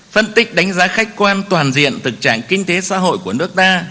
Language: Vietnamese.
phân tích đánh giá khách quan toàn diện thực trạng kinh tế xã hội của nước ta